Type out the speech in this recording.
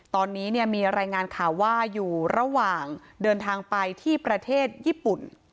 ตอนนี้เนี่ยมีรายงานข่าวว่าอยู่ระหว่างเดินทางไปที่ประเทศญี่ปุ่น